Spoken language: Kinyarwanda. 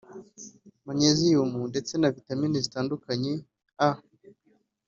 manyeziyumu ndetse na za vitamine zitandukanye A